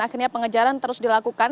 akhirnya pengejaran terus dilakukan